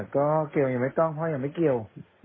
ก็เขียวไม่ต้องเพราะอย่างไม่เขียว